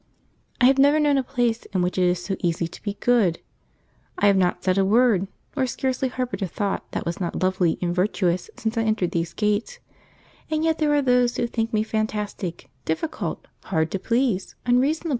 I have never known a place in which it is so easy to be good. I have not said a word, nor scarcely harboured a thought, that was not lovely and virtuous since I entered these gates, and yet there are those who think me fantastic, difficult, hard to please, unreasonable!